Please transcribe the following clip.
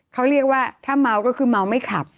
เขาเรียกว่าถ้าเมาก็คือเมาไม่ขับ